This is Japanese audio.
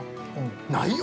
ないよ